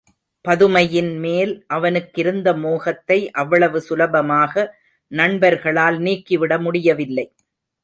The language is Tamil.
பதுமையின்மேல் அவனுக்கிருந்த மோகத்தை அவ்வளவு சுலபமாக நண்பர்களால் நீக்கிவிட முடியவில்லை.